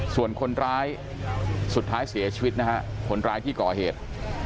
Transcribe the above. ส่วนคนร้ายสุดท้ายเสียชีวิตนะฮะคนร้ายที่ก่อเหตุ